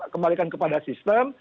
kembalikan kepada sistem